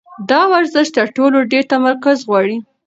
دا ورزش تر ټولو ډېر تمرکز غواړي.